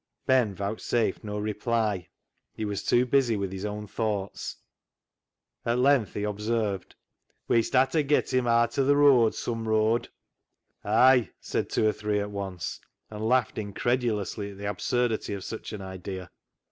Ben vouchsafed no reply ; he was too busy with his own thoughts. At length he observed —" Wee'st ha' ta get him aat o' th' rooad some rooad." " Ay !" said two or three at once, and laughed incredulously at the absurdity of such an idea.